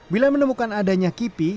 bila menemukan adanya kipi